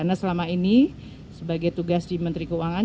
karena selama ini sebagai tugas di menteri keuangan